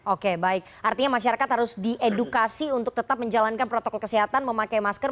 oke baik artinya masyarakat harus diedukasi untuk tetap menjalankan protokol kesehatan memakai masker